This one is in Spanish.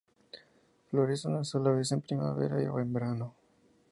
Florece una sola vez en primavera o en verano.